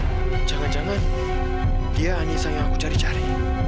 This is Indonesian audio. oh jangan jangan dia anissa yang aku cari cari